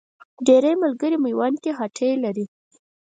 ډېری ملګري میوند کې هټۍ لري.